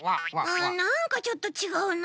うんなんかちょっとちがうな。